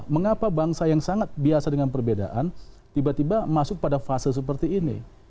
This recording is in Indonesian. mengapa bangsa yang sangat biasa dengan perbedaan tiba tiba masuk pada fase seperti ini